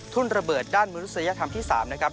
ระเบิดด้านมนุษยธรรมที่๓นะครับ